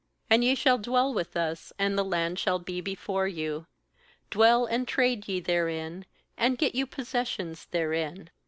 10And ye shall dwell with us; and the land shall be before you; dwell and trade ye therein, and get you possessions therein.'